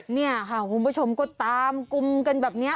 นี่ค่ะคุณผู้ชมก็ตามกลุ่มกันแบบนี้